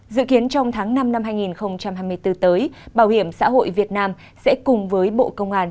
dự kiến trong tháng năm năm hai nghìn hai mươi bốn tới bảo hiểm xã hội việt nam sẽ cùng với bộ công an